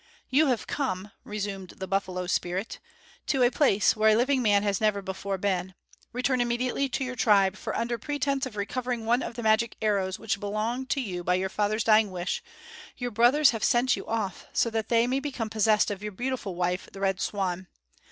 "You have come," resumed the buffalo spirit, "to a place where a living man has never before been. Return immediately to your tribe, for under pretence of recovering one of the magic arrows which belong to you by your father's dying wish, your brothers have sent you off so that they may become possessed of your beautiful wife, the Red Swan.